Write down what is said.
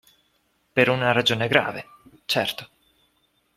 Per una ragione grave, certo;